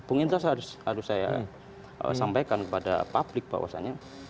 bung indra harus saya sampaikan kepada publik bahwasannya